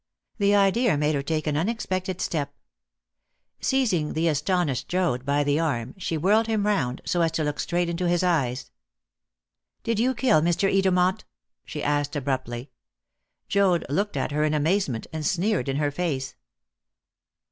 The idea made her take an unexpected step. Seizing the astonished Joad by the arm, she whirled him round, so as to look straight into his eyes. "Did you kill Mr. Edermont?" she asked abruptly. Joad looked at her in amazement, and sneered in her face.